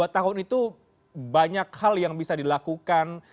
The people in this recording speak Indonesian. dua tahun itu banyak hal yang bisa dilakukan